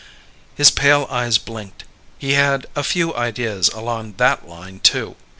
His pale eyes blinked. He had a few ideas along that line too.